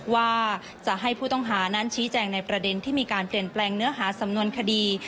ว่าจะให้ผู้ต้องหานั้นชี้แจงในประเด็นที่มีการเปลี่ยนแปลงเนื้อหาสำนวนคดี